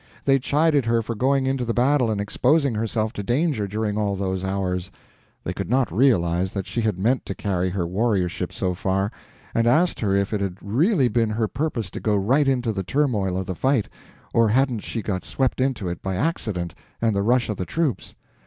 They chided her for going into the battle and exposing herself to danger during all those hours. They could not realize that she had meant to carry her warriorship so far, and asked her if it had really been her purpose to go right into the turmoil of the fight, or hadn't she got swept into it by accident and the rush of the troops?